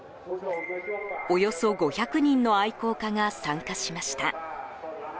およそ５００人の愛好家が参加しました。